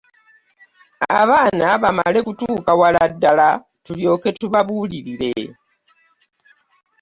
Abaana bamale kutuuka wala ddala tulyoke tubabuulire?